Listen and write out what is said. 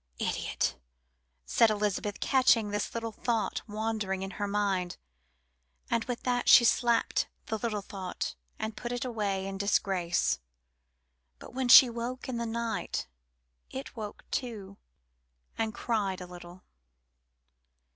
"Idiot!" said Elizabeth, catching this little thought wandering in her mind, and with that she slapped the little thought and put it away in disgrace. But when she woke in the night, it woke, too, and cried a little.